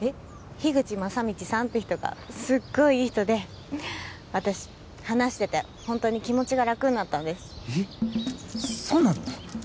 樋口昌通さんって人がすっごいいい人で私話しててホントに気持ちが楽になったんですえっそうなの？